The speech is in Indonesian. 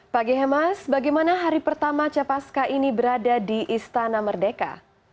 pagi hemas bagaimana hari pertama capaska ini berada di istana merdeka